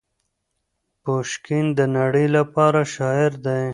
پوشکین د نړۍ لپاره شاعر دی.